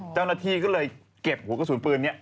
เจ้าหน้าที่ก็เลยเก็บหัวกระสุนปืนนี้